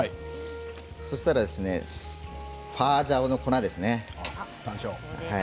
そうしたらホワジャオの粉ですね。